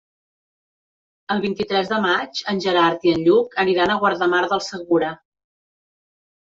El vint-i-tres de maig en Gerard i en Lluc aniran a Guardamar del Segura.